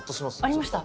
ありました。